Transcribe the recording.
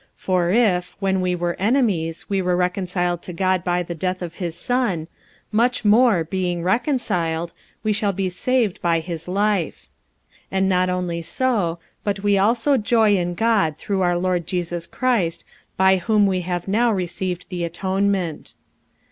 45:005:010 For if, when we were enemies, we were reconciled to God by the death of his Son, much more, being reconciled, we shall be saved by his life. 45:005:011 And not only so, but we also joy in God through our Lord Jesus Christ, by whom we have now received the atonement.